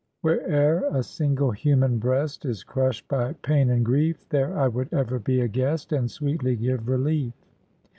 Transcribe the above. "Where'er a single human breast Is crushed by pain and grief, There I would ever be a guest, And sweetly give relief."